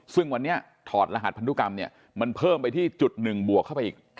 ซึ่งวันนี้ถอดรหัสพันธุกรรมเนี่ยมันเพิ่มไปที่จุดหนึ่งบวกเข้าไปอีก